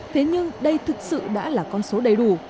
thế nhưng đây thực sự đã là con số đầy đủ